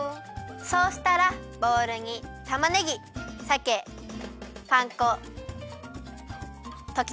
そうしたらボウルにたまねぎさけパン粉ときたまご。